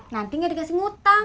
nanti gak dikasih ngutang